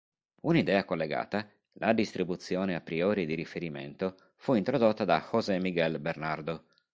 Un'idea collegata, la distribuzione a priori di riferimento, fu introdotta da José-Miguel Bernardo.